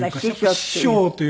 師匠という。